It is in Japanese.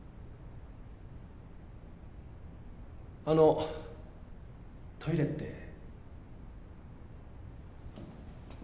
あのトイレって。